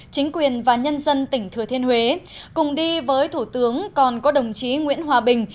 chính quyền và nhân dân tỉnh thừa thiên huế cùng đi với thủ tướng còn có đồng chí nguyễn hòa bình